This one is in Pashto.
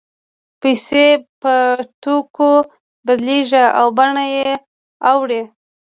پیسې په توکو بدلېږي او بڼه یې اوړي